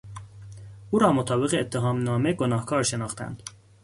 او را مطابق اتهامنامه گناهکار شناختند.